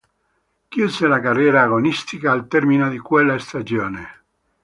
Chiuse la carriera agonistica al termine di quella stagione.